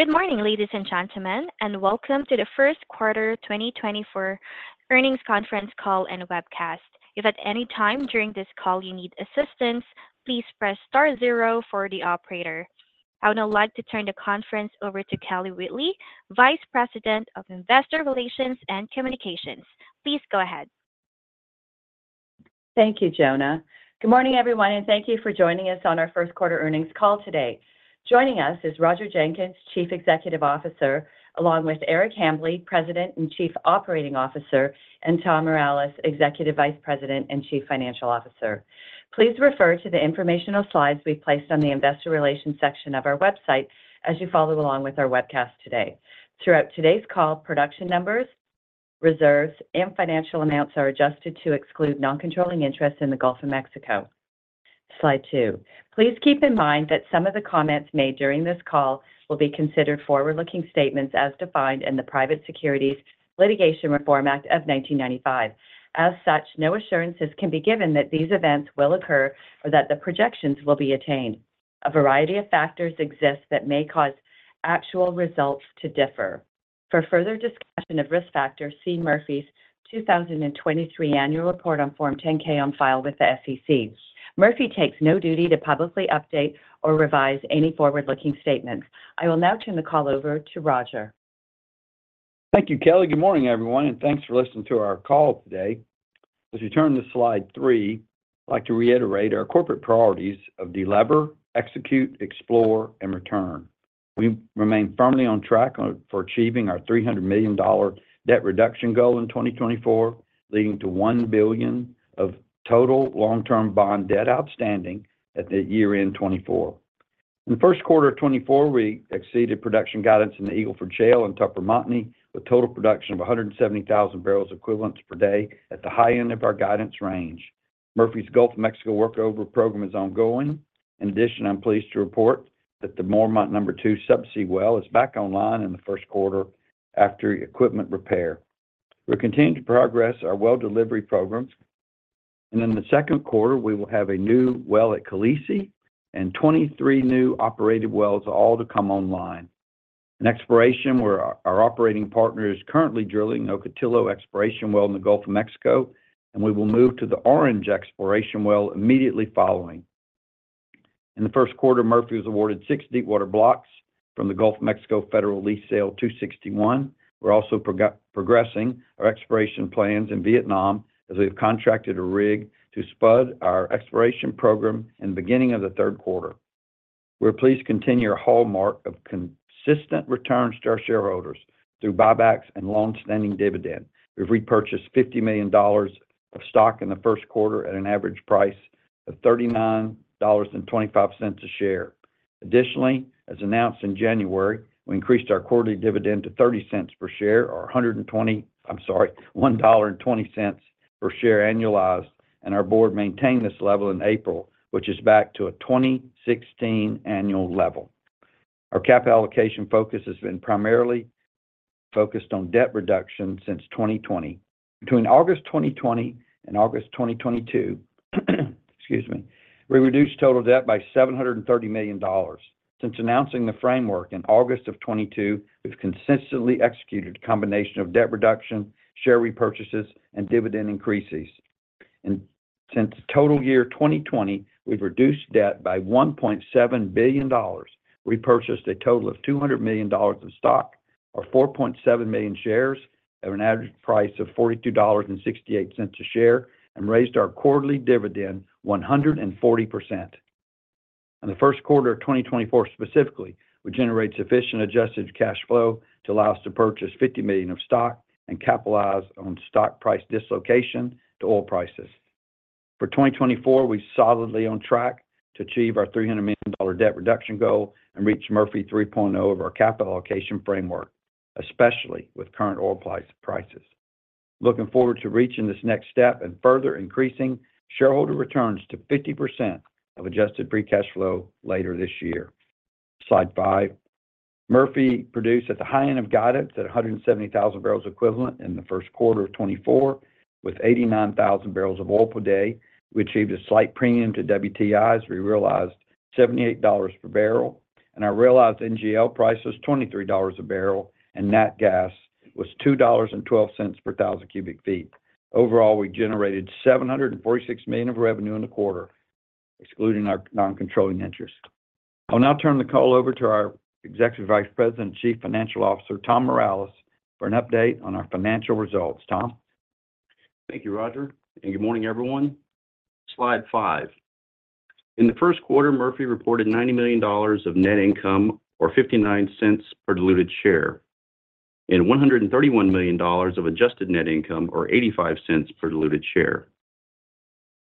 Good morning, ladies and gentlemen, and welcome to the first quarter 2024 earnings conference call and webcast. If at any time during this call you need assistance, please press star zero for the operator. I would now like to turn the conference over to Kelly Whitley, Vice President of Investor Relations and Communications. Please go ahead. Thank you, Jonah. Good morning, everyone, and thank you for joining us on our first quarter earnings call today. Joining us is Roger Jenkins, Chief Executive Officer, along with Eric Hambly, President and Chief Operating Officer, and Tom Mireles, Executive Vice President and Chief Financial Officer. Please refer to the informational slides we've placed on the investor relations section of our website as you follow along with our webcast today. Throughout today's call, production numbers, reserves, and financial amounts are adjusted to exclude non-controlling interests in the Gulf of Mexico. Slide two. Please keep in mind that some of the comments made during this call will be considered forward-looking statements as defined in the Private Securities Litigation Reform Act of 1995. As such, no assurances can be given that these events will occur or that the projections will be attained. A variety of factors exist that may cause actual results to differ. For further discussion of risk factors, see Murphy's 2023 Annual Report on Form 10-K on file with the SEC. Murphy takes no duty to publicly update or revise any forward-looking statements. I will now turn the call over to Roger. Thank you, Kelly. Good morning, everyone, and thanks for listening to our call today. As we turn to slide three, I'd like to reiterate our corporate priorities of de-lever, execute, explore, and return. We remain firmly on track for achieving our $300 million debt reduction goal in 2024, leading to $1 billion of total long-term bond debt outstanding at the year-end 2024. In the first quarter of 2024, we exceeded production guidance in the Eagle Ford Shale and Tupper Montney, with total production of 170,000 barrel equivalents per day at the high end of our guidance range. Murphy's Gulf of Mexico workover program is ongoing. In addition, I'm pleased to report that the Mormont number 2 subsea well is back online in the first quarter after equipment repair. We're continuing to progress our well delivery programs, and in the second quarter, we will have a new well at Khaleesi and 23 new operated wells all to come online. In exploration, our operating partner is currently drilling Ocotillo exploration well in the Gulf of Mexico, and we will move to the Orange exploration well immediately following. In the first quarter, Murphy was awarded 6 deepwater blocks from the Gulf of Mexico federal lease sale 261. We're also progressing our exploration plans in Vietnam as we've contracted a rig to spud our exploration program in the beginning of the third quarter. We're pleased to continue our hallmark of consistent returns to our shareholders through buybacks and long-standing dividend. We've repurchased $50 million of stock in the first quarter at an average price of $39.25 a share. Additionally, as announced in January, we increased our quarterly dividend to $0.30 per share, or 120. I'm sorry, $1.20 per share annualized, and our board maintained this level in April, which is back to a 2016 annual level. Our capital allocation focus has been primarily focused on debt reduction since 2020. Between August 2020 and August 2022, excuse me, we reduced total debt by $730 million. Since announcing the framework in August 2022, we've consistently executed a combination of debt reduction, share repurchases, and dividend increases. And since fiscal year 2020, we've reduced debt by $1.7 billion. We purchased a total of $200 million of stock, or 4.7 million shares at an average price of $42.68 a share, and raised our quarterly dividend 140%. In the first quarter of 2024 specifically, we generate sufficient adjusted cash flow to allow us to purchase $50 million of stock and capitalize on stock price dislocation to oil prices. For 2024, we're solidly on track to achieve our $300 million debt reduction goal and reach Murphy 3.0 of our capital allocation framework, especially with current oil price, prices. Looking forward to reaching this next step and further increasing shareholder returns to 50% of adjusted free cash flow later this year. Slide five. Murphy produced at the high end of guidance at 170,000 barrels equivalent in the first quarter of 2024, with 89,000 barrels of oil per day. We achieved a slight premium to WTI, as we realized $78 per barrel, and our realized NGL price was $23 a barrel, and net gas was $2.12 per thousand cubic feet. Overall, we generated $746 million of revenue in the quarter, excluding our non-controlling interest. I'll now turn the call over to our Executive Vice President and Chief Financial Officer, Tom Mireles, for an update on our financial results. Tom? Thank you, Roger, and good morning, everyone. Slide five. In the first quarter, Murphy reported $90 million of net income, or $0.59 per diluted share, and $131 million of adjusted net income or $0.85 per diluted share.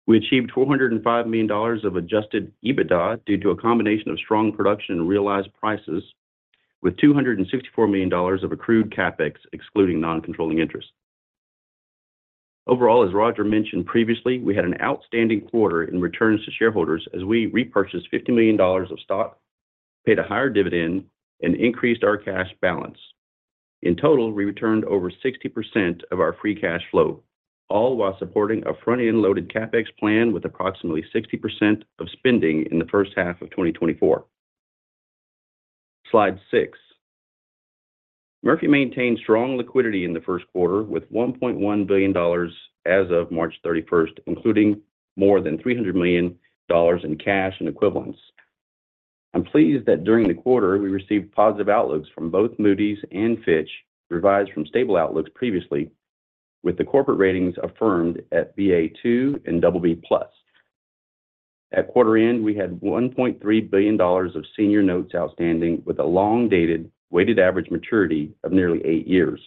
We achieved $405 million of adjusted EBITDA due to a combination of strong production and realized prices, with $264 million of accrued CapEx, excluding non-controlling interest. Overall, as Roger mentioned previously, we had an outstanding quarter in returns to shareholders as we repurchased $50 million of stock, paid a higher dividend, and increased our cash balance. In total, we returned over 60% of our free cash flow, all while supporting a front-end loaded CapEx plan with approximately 60% of spending in the first half of 2024. Slide six. Murphy maintained strong liquidity in the first quarter, with $1.1 billion as of March 31, including more than $300 million in cash and equivalents. I'm pleased that during the quarter, we received positive outlooks from both Moody's and Fitch, revised from stable outlooks previously, with the corporate ratings affirmed at Ba2 and BB+. At quarter end, we had $1.3 billion of senior notes outstanding, with a long-dated weighted average maturity of nearly eight years.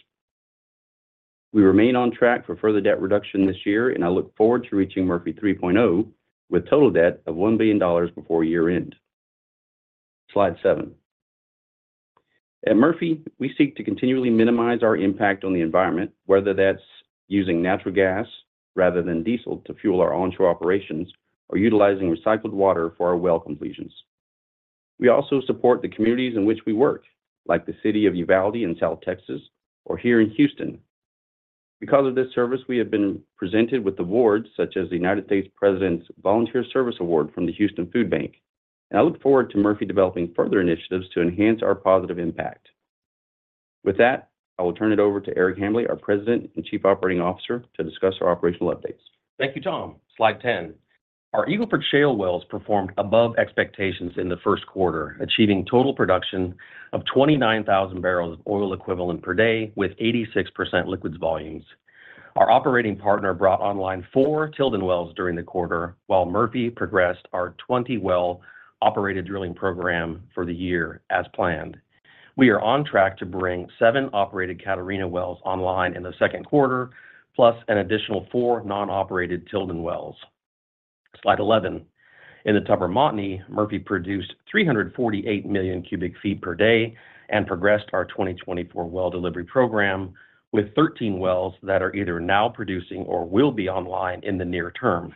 We remain on track for further debt reduction this year, and I look forward to reaching Murphy 3.0, with total debt of $1 billion before year end. Slide seven. At Murphy, we seek to continually minimize our impact on the environment, whether that's using natural gas rather than diesel to fuel our onshore operations, or utilizing recycled water for our well completions. We also support the communities in which we work, like the city of Uvalde in South Texas or here in Houston. Because of this service, we have been presented with awards such as the United States President's Volunteer Service Award from the Houston Food Bank. I look forward to Murphy developing further initiatives to enhance our positive impact. With that, I will turn it over to Eric Hambly, our President and Chief Operating Officer, to discuss our operational updates. Thank you, Tom. Slide 10. Our Eagle Ford Shale wells performed above expectations in the first quarter, achieving total production of 29,000 barrels of oil equivalent per day, with 86% liquids volumes. Our operating partner brought online four Tilden wells during the quarter, while Murphy progressed our 20 well-operated drilling program for the year as planned. We are on track to bring seven operated Catarina wells online in the second quarter, plus an additional four non-operated Tilden wells. Slide 11. In the Tupper Montney, Murphy produced 348 million cubic feet per day and progressed our 2024 well delivery program, with 13 wells that are either now producing or will be online in the near term.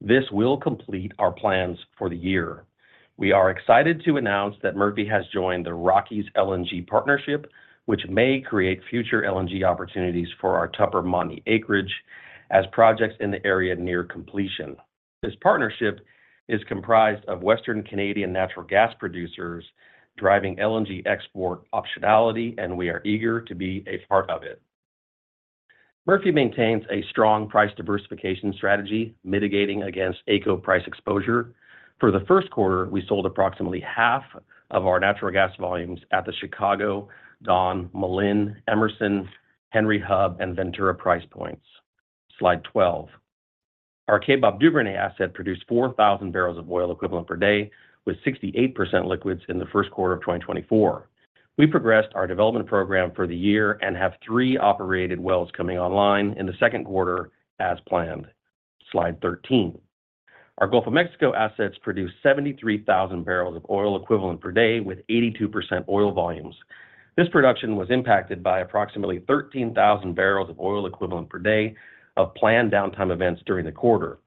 This will complete our plans for the year. We are excited to announce that Murphy has joined the Rockies LNG Partnership, which may create future LNG opportunities for our Tupper Montney acreage as projects in the area near completion. This partnership is comprised of Western Canadian natural gas producers driving LNG export optionality, and we are eager to be a part of it. Murphy maintains a strong price diversification strategy, mitigating against AECO price exposure. For the first quarter, we sold approximately half of our natural gas volumes at the Chicago, Dawn, Malin, Emerson, Henry Hub, and Ventura price points. Slide 12. Our Kaybob Duvernay asset produced 4,000 barrels of oil equivalent per day, with 68% liquids in the first quarter of 2024. We progressed our development program for the year and have three operated wells coming online in the second quarter as planned. Slide 13. Our Gulf of Mexico assets produced 73,000 barrels of oil equivalent per day with 82% oil volumes. This production was impacted by approximately 13,000 barrels of oil equivalent per day of planned downtime events during the quarter.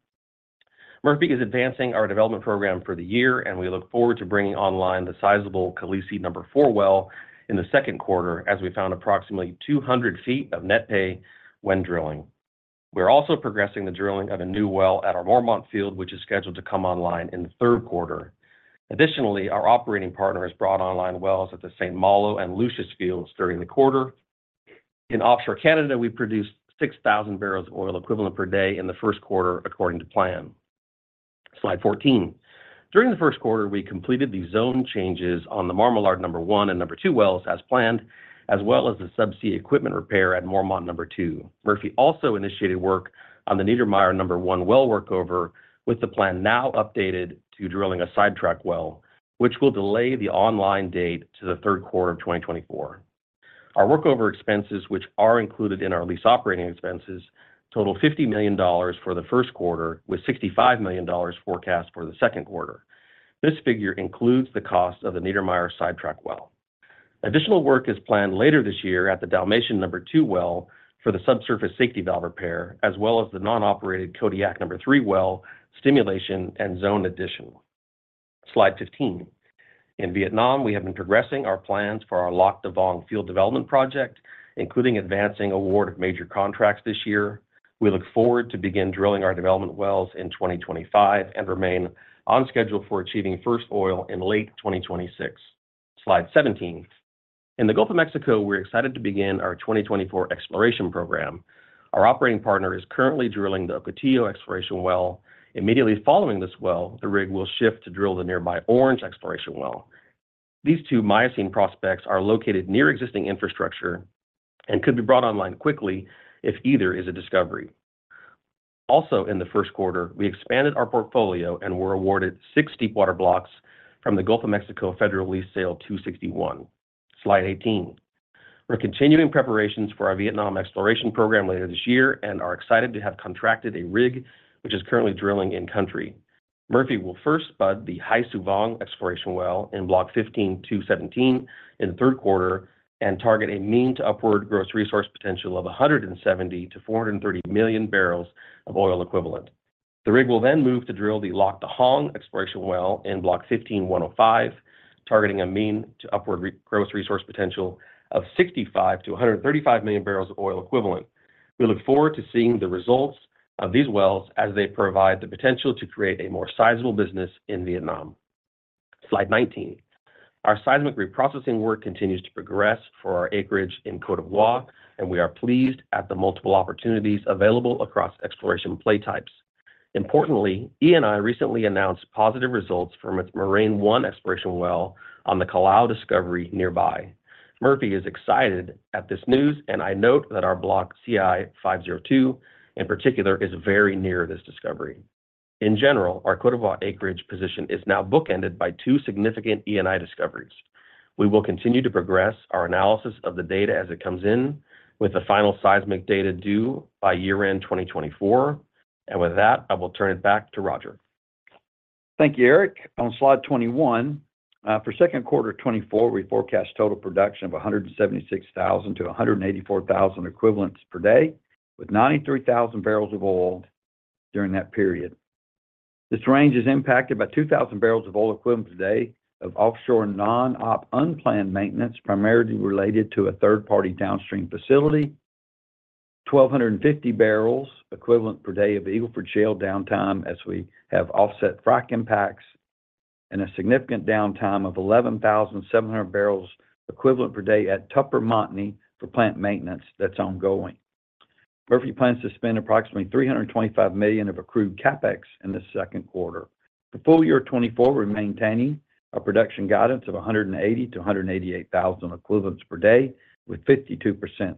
Murphy is advancing our development program for the year, and we look forward to bringing online the sizable Khaleesi number 4 well in the second quarter, as we found approximately 200 feet of net pay when drilling. We're also progressing the drilling of a new well at our Mormont field, which is scheduled to come online in the third quarter. Additionally, our operating partner has brought online wells at the Saint Malo and Lucius fields during the quarter. In offshore Canada, we produced 6,000 barrels of oil equivalent per day in the first quarter, according to plan. Slide 14. During the first quarter, we completed the zone changes on the Marmalard number 1 and number 2 wells as planned, as well as the subsea equipment repair at Mormont number 2. Murphy also initiated work on the Neidermeyer number 1 well workover, with the plan now updated to drilling a sidetrack well, which will delay the online date to the third quarter of 2024. Our workover expenses, which are included in our lease operating expenses, total $50 million for the first quarter, with $65 million forecast for the second quarter. This figure includes the cost of the Neidermeyer sidetrack well. Additional work is planned later this year at the Dalmatian number 2 well for the subsurface safety valve repair, as well as the non-operated Kodiak number 3 well, stimulation, and zone addition. Slide 15. In Vietnam, we have been progressing our plans for our Lac Da Vang field development project, including advancing award of major contracts this year. We look forward to begin drilling our development wells in 2025 and remain on schedule for achieving first oil in late 2026. Slide 17. In the Gulf of Mexico, we're excited to begin our 2024 exploration program. Our operating partner is currently drilling the Ocotillo exploration well. Immediately following this well, the rig will shift to drill the nearby Orange exploration well. These two Miocene prospects are located near existing infrastructure and could be brought online quickly if either is a discovery. Also, in the first quarter, we expanded our portfolio and were awarded six deepwater blocks from the Gulf of Mexico Federal Lease Sale 261. Slide 18. We're continuing preparations for our Vietnam exploration program later this year and are excited to have contracted a rig which is currently drilling in country. Murphy will first spud the Hai Su Vang exploration well in Block 15-2/17 in the third quarter and target a mean to upward gross resource potential of 170-430 million barrels of oil equivalent. The rig will then move to drill the Lac Da Hong exploration well in Block 15-1/05, targeting a mean to upward gross resource potential of 65-135 million barrels of oil equivalent. We look forward to seeing the results of these wells as they provide the potential to create a more sizable business in Vietnam. Slide 19. Our seismic reprocessing work continues to progress for our acreage in Côte d'Ivoire, and we are pleased at the multiple opportunities available across exploration play types. Importantly, Eni recently announced positive results from its Murene-1X exploration well on the Calao discovery nearby. Murphy is excited at this news, and I note that our block, CI-502, in particular, is very near this discovery. In general, our Côte d'Ivoire acreage position is now bookended by two significant Eni discoveries. We will continue to progress our analysis of the data as it comes in, with the final seismic data due by year-end 2024. With that, I will turn it back to Roger. Thank you, Eric. On slide 21, for second quarter 2024, we forecast total production of 176,000-184,000 equivalents per day, with 93,000 barrels of oil during that period. This range is impacted by 2,000 barrels of oil equivalent per day of offshore non-op unplanned maintenance, primarily related to a third-party downstream facility, 1,250 barrels equivalent per day of Eagle Ford Shale downtime as we have offset frack impacts, and a significant downtime of 11,700 barrels equivalent per day at Tupper Montney for plant maintenance that's ongoing. Murphy plans to spend approximately $325 million of accrued CapEx in the second quarter. For full year 2024, we're maintaining a production guidance of 180-188 thousand equivalents per day, with 52%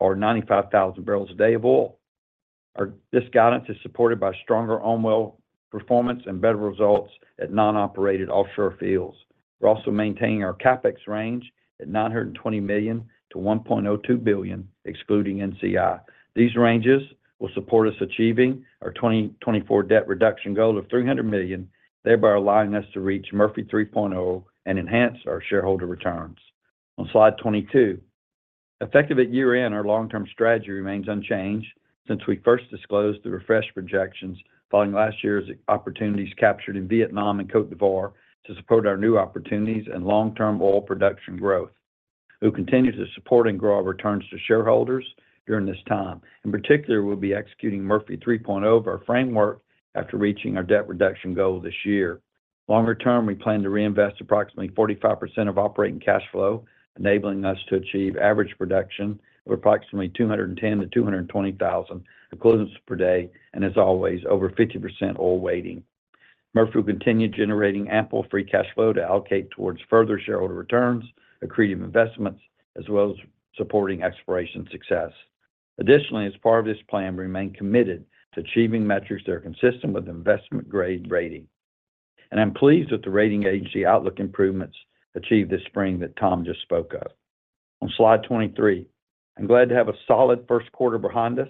or 95 thousand barrels a day of oil. Our. This guidance is supported by stronger own-well performance and better results at non-operated offshore fields. We're also maintaining our CapEx range at $920 million-$1.02 billion, excluding NCI. These ranges will support us achieving our 2024 debt reduction goal of $300 million, thereby allowing us to reach Murphy 3.0 and enhance our shareholder returns. On slide 22. Effective at year-end, our long-term strategy remains unchanged since we first disclosed the refreshed projections following last year's opportunities captured in Vietnam and Côte d'Ivoire to support our new opportunities and long-term oil production growth. We'll continue to support and grow our returns to shareholders during this time. In particular, we'll be executing Murphy 3.0, our framework, after reaching our debt reduction goal this year. Longer term, we plan to reinvest approximately 45% of operating cash flow, enabling us to achieve average production of approximately 210,000-220,000 equivalents per day, and as always, over 50% oil weighting. Murphy will continue generating ample free cash flow to allocate towards further shareholder returns, accretive investments, as well as supporting exploration success. Additionally, as part of this plan, we remain committed to achieving metrics that are consistent with investment-grade rating. And I'm pleased with the rating agency outlook improvements achieved this spring that Tom just spoke of. On slide 23. I'm glad to have a solid first quarter behind us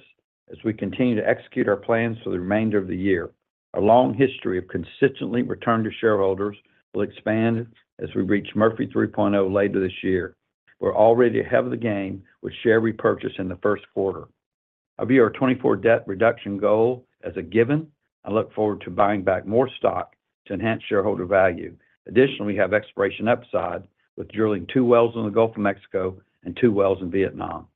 as we continue to execute our plans for the remainder of the year. Our long history of consistently return to shareholders will expand as we reach Murphy 3.0 later this year. We're already ahead of the game with share repurchase in the first quarter. I view our 2024 debt reduction goal as a given. I look forward to buying back more stock to enhance shareholder value. Additionally, we have exploration upside with drilling two wells in the Gulf of Mexico and two wells in Vietnam.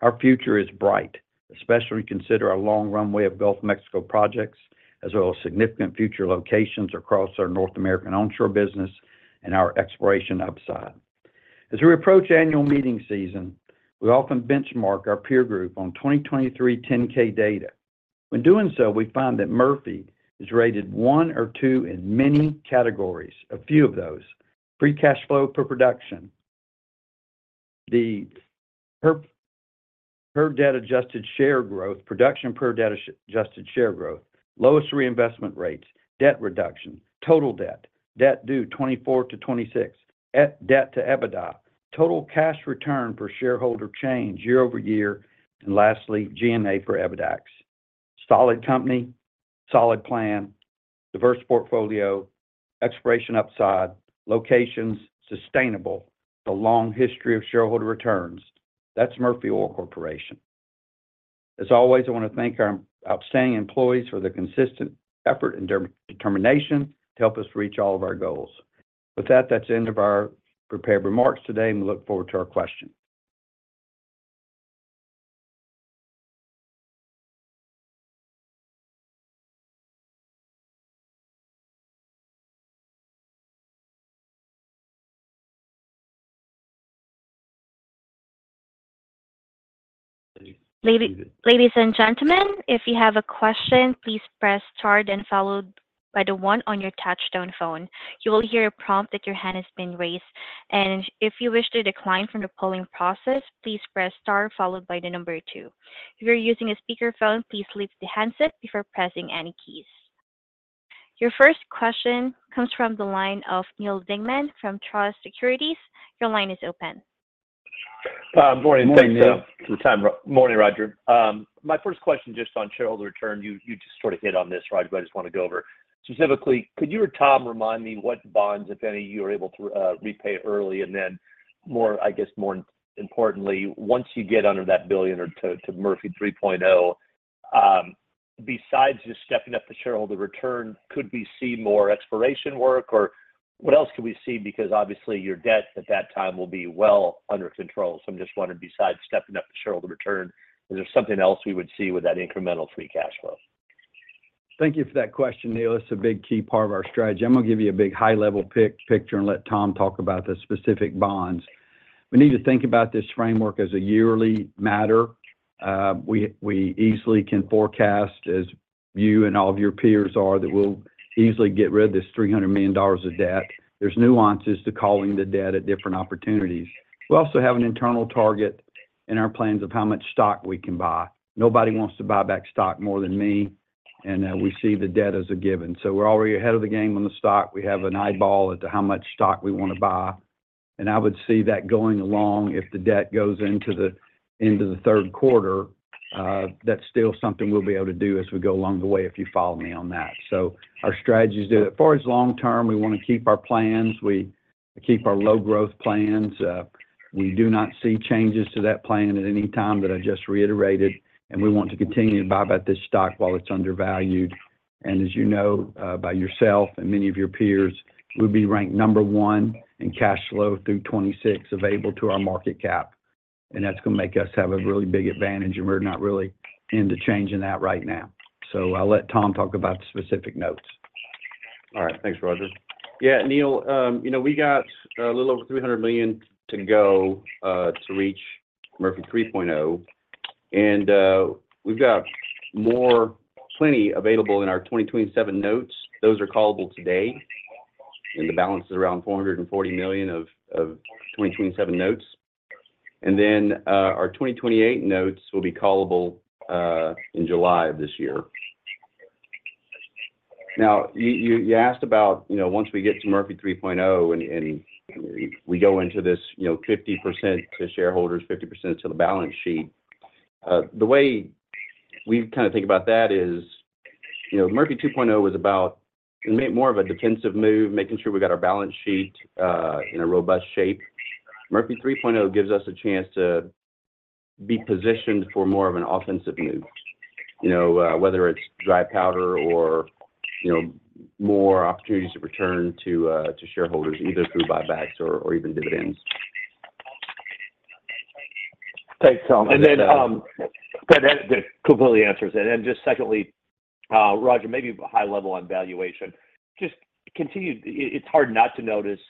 Our future is bright, especially consider our long runway of Gulf of Mexico projects, as well as significant future locations across our North American onshore business and our exploration upside. As we approach annual meeting season, we often benchmark our peer group on 2023 10-K data. When doing so, we find that Murphy is rated one or two in many categories. A few of those: free cash flow per production, the per debt adjusted share growth, production per debt adjusted share growth, lowest reinvestment rates, debt reduction, total debt, debt due 2024-2026, at debt to EBITDA, total cash return per shareholder change year-over-year, and lastly, G&A for EBITDA. Solid company, solid plan, diverse portfolio, exploration upside, locations, sustainable, a long history of shareholder returns. That's Murphy Oil Corporation. As always, I want to thank our outstanding employees for their consistent effort and determination to help us reach all of our goals. With that, that's the end of our prepared remarks today, and we look forward to our questions. Ladies and gentlemen, if you have a question, please press star then followed by the one on your touch-tone phone. You will hear a prompt that your hand has been raised, and if you wish to decline from the polling process, please press star followed by the number two. If you're using a speakerphone, please lift the handset before pressing any keys. Your first question comes from the line of Neal Dingmann from Truist Securities. Your line is open. Good morning. Good morning, Neil. Thanks for the time. Morning, Roger. My first question, just on shareholder return. You, you just sort of hit on this, Roger, but I just want to go over. Specifically, could you or Tom remind me what bonds, if any, you were able to repay early? And then more, I guess, more importantly, once you get under $1 billion or to Murphy 3.0, besides just stepping up the shareholder return, could we see more exploration work, or what else could we see? Because obviously, your debt at that time will be well under control. So I'm just wondering, besides stepping up the shareholder return, is there something else we would see with that incremental free cash flow? Thank you for that question, Neal. It's a big key part of our strategy. I'm gonna give you a big high-level picture and let Tom talk about the specific bonds. We need to think about this framework as a yearly matter. We easily can forecast, as you and all of your peers are, that we'll easily get rid of this $300 million of debt. There's nuances to calling the debt at different opportunities. We also have an internal target in our plans of how much stock we can buy. Nobody wants to buy back stock more than me, and we see the debt as a given. So we're already ahead of the game on the stock. We have an eyeball as to how much stock we wanna buy, and I would see that going along. If the debt goes into the third quarter, that's still something we'll be able to do as we go along the way, if you follow me on that. So our strategy is to— As far as long-term, we wanna keep our plans. We keep our low-growth plans. We do not see changes to that plan at any time, but I just reiterated, and we want to continue to buy back this stock while it's undervalued. And as you know, by yourself and many of your peers, we've been ranked number one in cash flow through 2026, available to our market cap, and that's gonna make us have a really big advantage, and we're not really into changing that right now. So I'll let Tom talk about the specific notes. All right. Thanks, Roger. Yeah, Neal, you know, we got a little over $300 million to go to reach Murphy 3.0, and we've got more plenty available in our 2027 notes. Those are callable today, and the balance is around $440 million of 2027 notes. And then, our 2028 notes will be callable in July of this year. Now, you asked about, you know, once we get to Murphy 3.0, and we go into this, you know, 50% to shareholders, 50% to the balance sheet. The way we kind of think about that is, you know, Murphy 2.0 was about more of a defensive move, making sure we got our balance sheet in a robust shape. Murphy 3.0 gives us a chance to be positioned for more of an offensive move. You know, whether it's dry powder or, you know, more opportunities to return to shareholders, either through buybacks or even dividends. Thanks, Tom. And then, that completely answers it. And then just secondly, Roger, maybe high level on valuation. Just continuing, it's hard not to notice,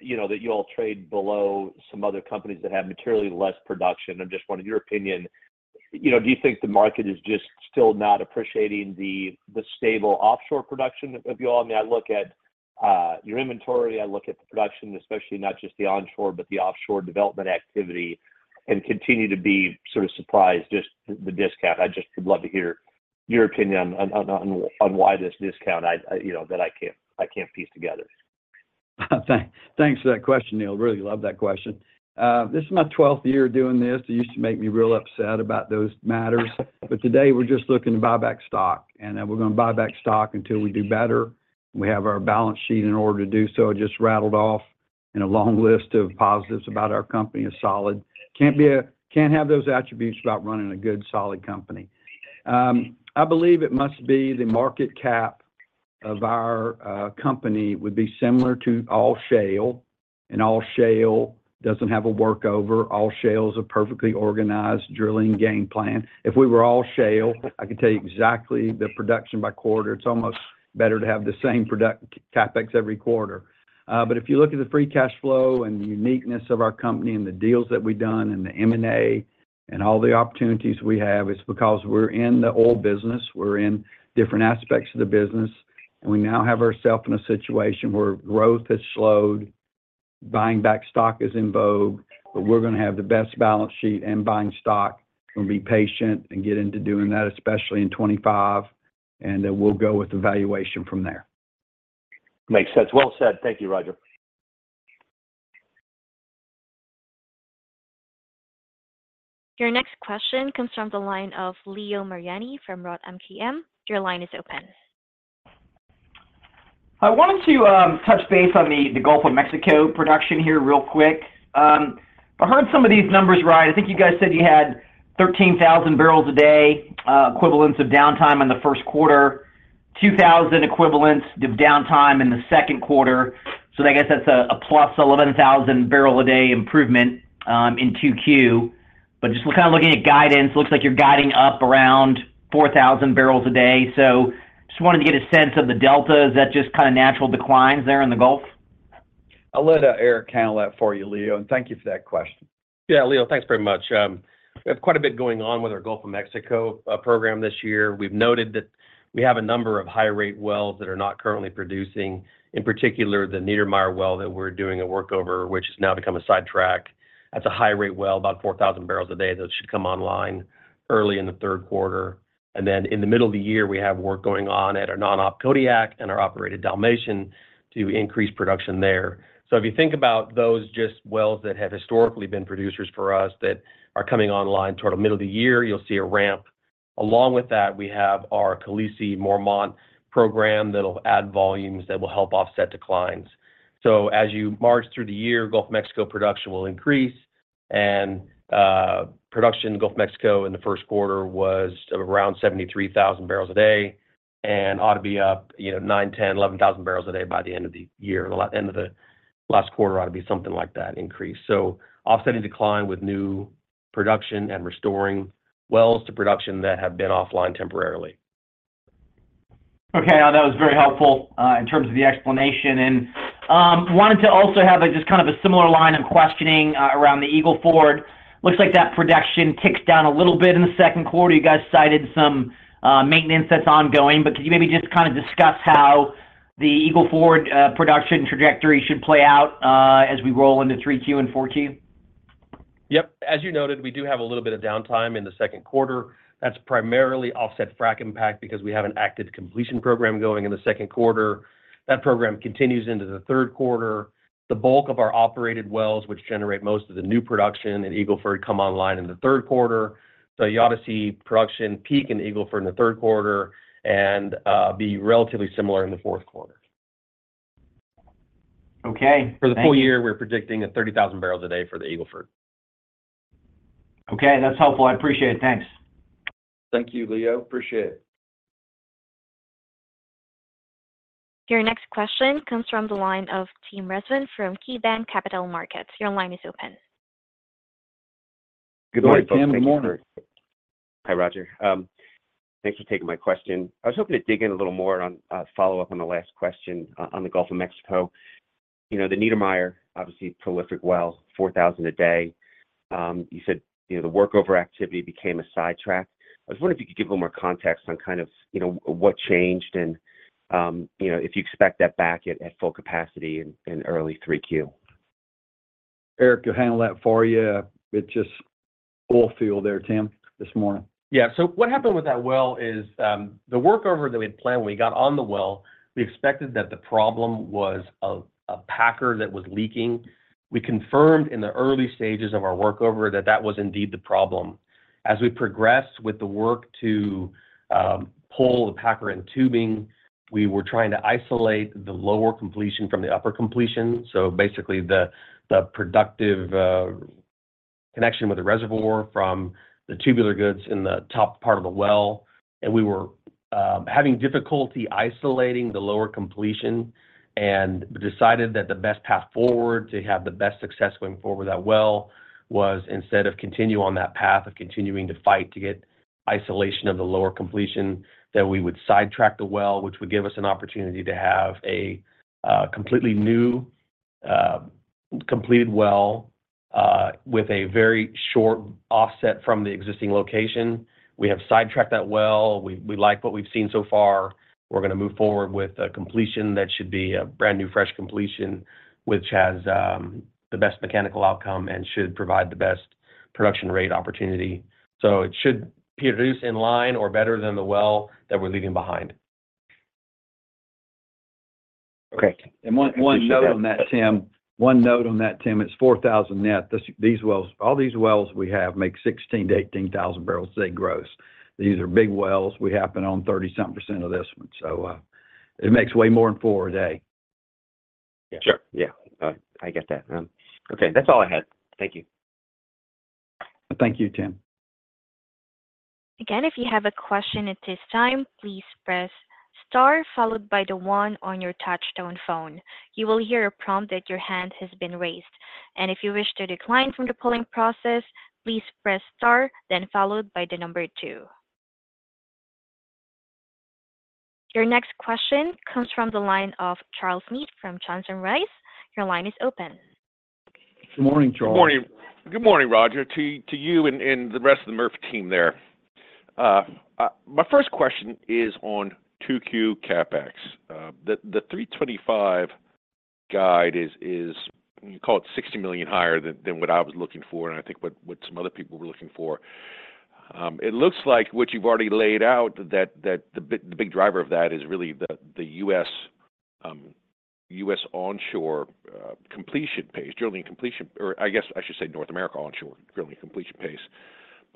you know, that you all trade below some other companies that have materially less production. I'm just wanting your opinion. You know, do you think the market is just still not appreciating the stable offshore production of you all? I mean, I look at your inventory, I look at the production, especially not just the onshore, but the offshore development activity, and continue to be sort of surprised, just the discount. I just would love to hear your opinion on why this discount. I, you know, that I can't piece together. Thanks, thanks for that question, Neal. Really love that question. This is my twelfth year doing this. It used to make me real upset about those matters, but today we're just looking to buy back stock, and we're gonna buy back stock until we do better. We have our balance sheet in order to do so. It just rattled off in a long list of positives about our company, a solid. Can't have those attributes without running a good, solid company. I believe it must be the market cap of our company would be similar to all shale, and all shale doesn't have a workover. All shales are perfectly organized, drilling game plan. If we were all shale, I could tell you exactly the production by quarter. It's almost better to have the same product CapEx every quarter. But if you look at the free cash flow and the uniqueness of our company and the deals that we've done and the M&A and all the opportunities we have, it's because we're in the oil business, we're in different aspects of the business, and we now have ourself in a situation where growth has slowed, buying back stock is in vogue, but we're gonna have the best balance sheet and buying stock and be patient and get into doing that, especially in 2025, and then we'll go with the valuation from there. Makes sense. Well said. Thank you, Roger. Your next question comes from the line of Leo Mariani from ROTH MKM. Your line is open. I wanted to touch base on the Gulf of Mexico production here real quick. If I heard some of these numbers right, I think you guys said you had 13,000 barrels a day equivalence of downtime in the first quarter, 2,000 equivalence of downtime in the second quarter. So I guess that's a plus 11,000 barrel a day improvement in 2Q. But just kind of looking at guidance, looks like you're guiding up around 4,000 barrels a day. So just wanted to get a sense of the delta. Is that just kind of natural declines there in the Gulf? I'll let Eric handle that for you, Leo, and thank you for that question. Yeah, Leo, thanks very much. We have quite a bit going on with our Gulf of Mexico program this year. We've noted that we have a number of high-rate wells that are not currently producing, in particular, the Neidermeyer well that we're doing a workover, which has now become a sidetrack. That's a high-rate well, about 4,000 barrels a day. Those should come online early in the third quarter. And then in the middle of the year, we have work going on at our non-op Kodiak and our operated Dalmatian to increase production there. So if you think about those just wells that have historically been producers for us that are coming online toward the middle of the year, you'll see a ramp. Along with that, we have our Khaleesi Mormont program that'll add volumes that will help offset declines. So as you march through the year, Gulf of Mexico production will increase, and production in Gulf of Mexico in the first quarter was around 73,000 barrels a day, and ought to be up, you know, 9,000-11,000 barrels a day by the end of the year. The end of the last quarter ought to be something like that increase. So offsetting decline with new production and restoring wells to production that have been offline temporarily. Okay. That was very helpful in terms of the explanation. And wanted to also have just kind of a similar line of questioning around the Eagle Ford. Looks like that production ticks down a little bit in the second quarter. You guys cited some maintenance that's ongoing, but could you maybe just kind of discuss how the Eagle Ford production trajectory should play out as we roll into 3Q and 4Q? Yep. As you noted, we do have a little bit of downtime in the second quarter. That's primarily offset frack impact because we have an active completion program going in the second quarter. That program continues into the third quarter. The bulk of our operated wells, which generate most of the new production in Eagle Ford, come online in the third quarter. So you ought to see production peak in Eagle Ford in the third quarter and be relatively similar in the fourth quarter. Okay, thank you. For the full year, we're predicting 30,000 barrels a day for the Eagle Ford. Okay, that's helpful. I appreciate it. Thanks. Thank you, Leo. Appreciate it. Your next question comes from the line of Tim Rezvan from KeyBanc Capital Markets. Your line is open. Good morning, Tim. Good morning. Hi, Roger. Thanks for taking my question. I was hoping to dig in a little more on, follow up on the last question, on the Gulf of Mexico. You know, the Neidermeyer, obviously prolific well, 4,000 a day. You said, you know, the workover activity became a sidetrack. I was wondering if you could give a little more context on kind of, you know, what changed and, you know, if you expect that back at, at full capacity in, in early 3Q. Eric, you'll handle that for you. It's just full field there, Tim, this morning. Yeah. So what happened with that well is, the workover that we had planned when we got on the well, we expected that the problem was a packer that was leaking. We confirmed in the early stages of our workover that that was indeed the problem. As we progressed with the work to pull the packer and tubing, we were trying to isolate the lower completion from the upper completion, so basically the productive connection with the reservoir from the tubular goods in the top part of the well. We were having difficulty isolating the lower completion and decided that the best path forward to have the best success going forward with that well was instead of continue on that path of continuing to fight to get isolation of the lower completion, that we would sidetrack the well, which would give us an opportunity to have a completely new completed well with a very short offset from the existing location. We have sidetracked that well. We like what we've seen so far. We're gonna move forward with a completion that should be a brand-new, fresh completion, which has the best mechanical outcome and should provide the best production rate opportunity. So it should produce in line or better than the well that we're leaving behind. Okay. One note on that, Tim. One note on that, Tim, it's 4,000 net. These wells, all these wells we have make 16,000-18,000 barrels a day gross. These are big wells. We happen to own 30-something% of this one, so it makes way more than 4 a day. Sure. Yeah. I get that. Okay, that's all I had. Thank you. Thank you, Tim. Again, if you have a question at this time, please press Star, followed by the one on your touch-tone phone. You will hear a prompt that your hand has been raised, and if you wish to decline from the polling process, please press Star, then followed by the number two. Your next question comes from the line of Charles Meade from Johnson Rice. Your line is open. Good morning, Charles. Good morning. Good morning, Roger, to you and the rest of the Murphy team there. My first question is on 2Q CapEx. The 325 guide is, you call it $60 million higher than what I was looking for, and I think what some other people were looking for. It looks like what you've already laid out, that the big driver of that is really the U.S. onshore completion pace, drilling completion, or I guess I should say North America onshore drilling completion pace.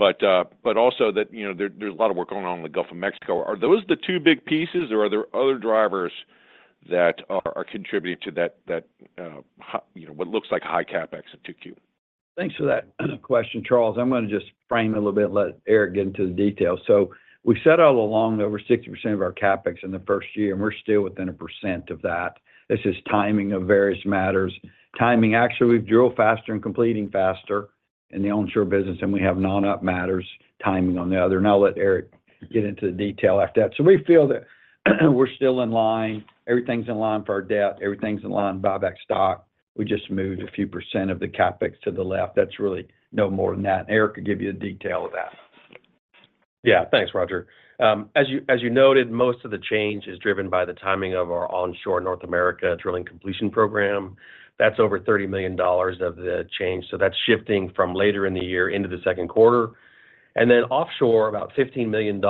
But also that, you know, there's a lot of work going on in the Gulf of Mexico. Are those the two big pieces, or are there other drivers that are contributing to that, high, you know, what looks like high CapEx in 2Q? Thanks for that question, Charles. I'm gonna just frame it a little bit and let Eric get into the details. So we've said all along, over 60% of our CapEx in the first year, and we're still within a percent of that. This is timing of various matters. Timing, actually, we drill faster and completing faster in the onshore business than we have non-up matters, timing on the other. And I'll let Eric get into the detail after that. So we feel that we're still in line. Everything's in line for our debt. Everything's in line to buy back stock. We just moved a few percent of the CapEx to the left. That's really no more than that, and Eric can give you the detail of that. Yeah. Thanks, Roger. As you, as you noted, most of the change is driven by the timing of our onshore North America drilling completion program. That's over $30 million of the change, so that's shifting from later in the year into the second quarter. And then offshore, about $15 million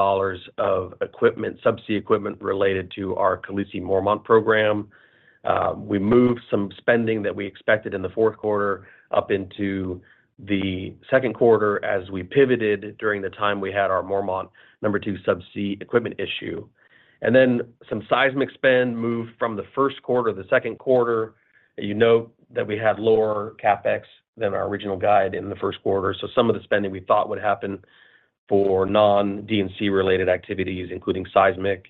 of equipment, subsea equipment related to our Khaleesi Mormont program. We moved some spending that we expected in the fourth quarter up into the second quarter as we pivoted during the time we had our Mormont number two subsea equipment issue. And then some seismic spend moved from the first quarter to the second quarter. You note that we had lower CapEx than our original guide in the first quarter. So some of the spending we thought would happen for non-DNC related activities, including seismic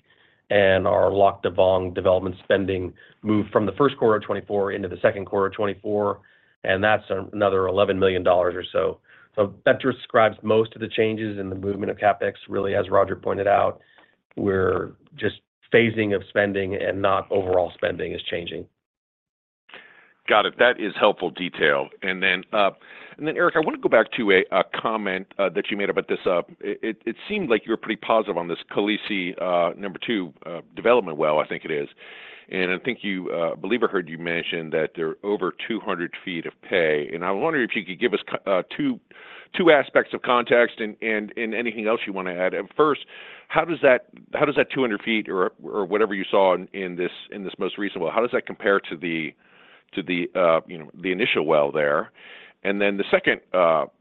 and our Lac Da Vang development spending, moved from the first quarter of 2024 into the second quarter of 2024, and that's another $11 million or so. So that describes most of the changes in the movement of CapEx. Really, as Roger pointed out, we're just phasing of spending and not overall spending is changing. Got it. That is helpful detail. And then, Eric, I want to go back to a comment that you made about this. It seemed like you were pretty positive on this Khaleesi number 2 development well, I think it is, and I think you—I believe I heard you mention that there are over 200 feet of pay. And I wonder if you could give us two aspects of context and anything else you want to add. At first, how does that 200 feet or whatever you saw in this most recent well compare to the you know, the initial well there? And then the second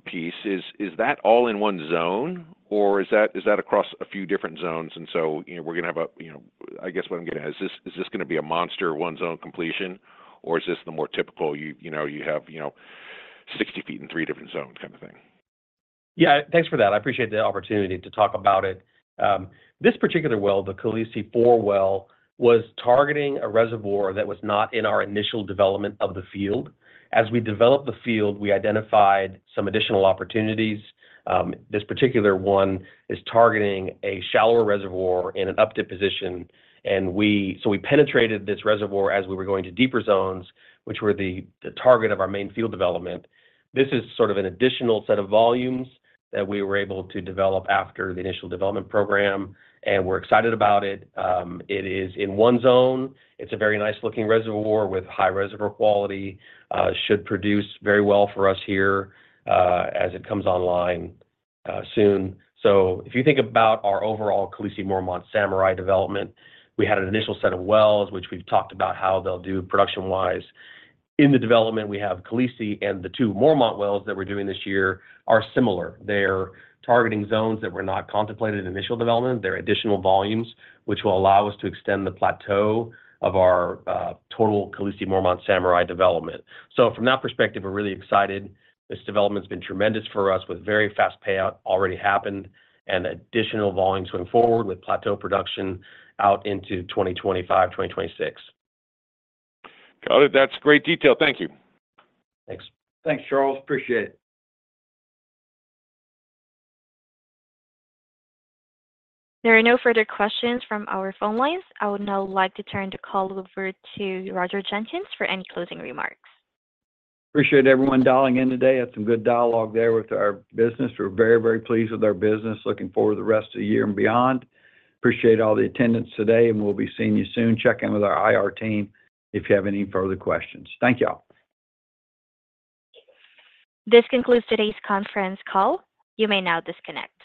piece is that all in one zone, or is that across a few different zones? And so, you know, we're gonna have a, you know, I guess, what I'm getting at, is this gonna be a monster one-zone completion, or is this the more typical you know, you have, you know, 60 feet in 3 different zones kind of thing? Yeah, thanks for that. I appreciate the opportunity to talk about it. This particular well, the Khaleesi 4 well, was targeting a reservoir that was not in our initial development of the field. As we developed the field, we identified some additional opportunities. This particular one is targeting a shallower reservoir in an uptick position, and so we penetrated this reservoir as we were going to deeper zones, which were the target of our main field development. This is sort of an additional set of volumes that we were able to develop after the initial development program, and we're excited about it. It is in one zone. It's a very nice-looking reservoir with high reservoir quality. Should produce very well for us here, as it comes online, soon. So if you think about our overall Khaleesi Mormont Samurai development, we had an initial set of wells, which we've talked about how they'll do production-wise. In the development, we have Khaleesi and the two Mormont wells that we're doing this year are similar. They're targeting zones that were not contemplated in initial development. They're additional volumes, which will allow us to extend the plateau of our total Khaleesi Mormont Samurai development. So from that perspective, we're really excited. This development's been tremendous for us, with very fast payout already happened and additional volumes going forward with plateau production out into 2025, 2026. Got it. That's great detail. Thank you. Thanks. Thanks, Charles. Appreciate it. There are no further questions from our phone lines. I would now like to turn the call over to Roger Jenkins for any closing remarks. Appreciate everyone dialing in today. Had some good dialogue there with our business. We're very, very pleased with our business. Looking forward to the rest of the year and beyond. Appreciate all the attendance today, and we'll be seeing you soon. Check in with our IR team if you have any further questions. Thank y'all. This concludes today's conference call. You may now disconnect.